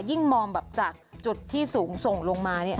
ยิ่งมองแบบจากจุดที่สูงส่งลงมาเนี่ย